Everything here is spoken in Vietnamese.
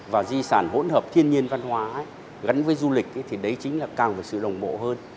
và di sản hỗn hợp thiên nhiên văn hóa gắn với du lịch thì đấy chính là càng về sự đồng bộ hơn